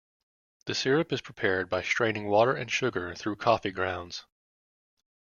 The syrup is prepared by straining water and sugar through coffee grounds.